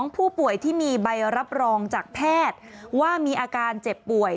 ผู้ป่วยที่มีใบรับรองจากแพทย์ว่ามีอาการเจ็บป่วย